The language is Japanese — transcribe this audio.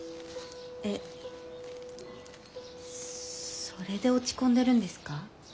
えっそれで落ち込んでるんですか？